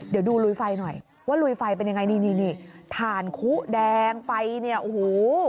เดี๋ยวดูลุยไฟหน่อยว่าลุยไฟเป็นยังไงนี่นี่ถ่านคุแดงไฟเนี่ยโอ้โห